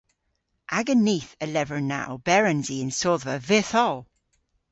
Aga nith a lever na oberons i yn sodhva vytholl.